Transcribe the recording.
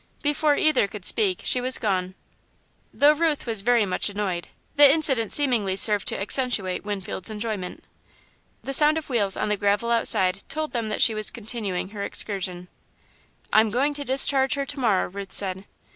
Before either could speak, she was gone. Though Ruth was very much annoyed, the incident seemingly served to accentuate Winfield's enjoyment. The sound of wheels on the gravel outside told them that she was continuing her excursion. "I'm going to discharge her to morrow," Ruth said.